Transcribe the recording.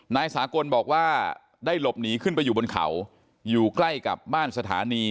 นายสากลบอกว่าได้หลบหนีขึ้นไปอยู่บนเขาอยู่ใกล้กับบ้านสถานี